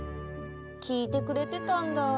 聞いてくれてたんだ。